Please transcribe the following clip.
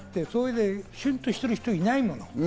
シュンとしてる人、いないもの。